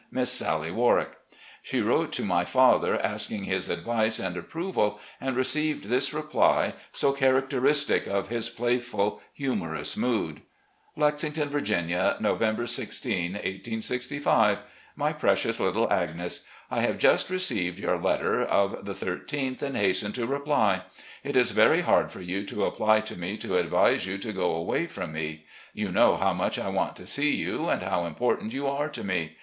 Miss Sally Warwick. She wrote to my father asking his advice and approval, and received this reply, so characteristic of his playful, humorous mood: PRESIDENT OF WASHINGTON COLLEGE 195 "Lexington, Virginia, November 16, 1865. " My Precious Little Agnes: I have just received your letter of the 13th and hasten to reply. It is very hard for you to apply to me to advise you to go away from me. You know how much I want to see you, and how im portant you are to me.